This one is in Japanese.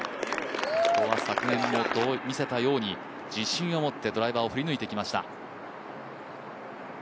ここは昨年も見せたように自信を持ってドライバーを振り抜いてきました。